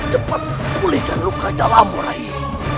cepat pulihkan luka dalammu rai